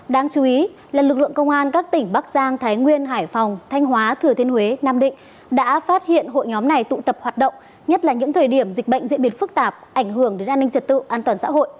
đáng chú ý là lực lượng công an các tỉnh bắc giang thái nguyên hải phòng thanh hóa thừa thiên huế nam định đã phát hiện hội nhóm này tụ tập hoạt động nhất là những thời điểm dịch bệnh diễn biến phức tạp ảnh hưởng đến an ninh trật tự an toàn xã hội